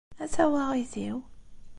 A tawaɣit-iw!